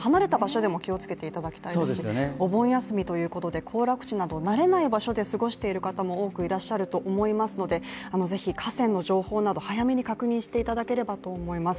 気をつけていただきたいですしお盆休みということで行楽地など慣れない場所で過ごしている方も多くいらっしゃると思いますのでぜひ河川の情報など早めに確認していただければと思います。